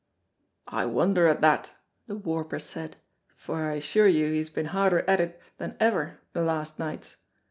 "I wonder at that," the warper said, "for I assure you he has been harder 'at it than ever thae last nights.